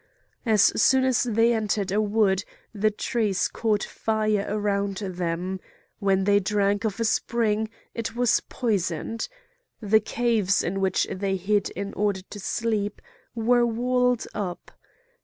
As soon as they entered a wood, the trees caught fire around them; when they drank of a spring it was poisoned; the caves in which they hid in order to sleep were walled up.